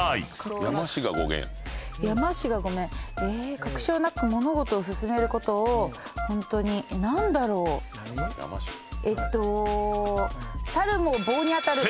確証なく物事を進めることをホントに何だろう？えっと。